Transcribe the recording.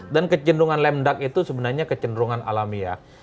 dan kecendungan lemdak itu sebenarnya kecendungan alamiah